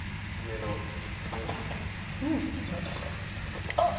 ・いい音した・あっ！